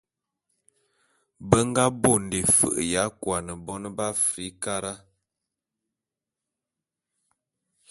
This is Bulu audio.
Be nga bonde fe'e ya kuane bon b'Afrikara.